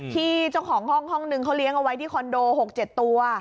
ที่เจ้าของห้องห้องนึงเขาเลี้ยงเอาไว้ที่คอนโด๖๗ตัว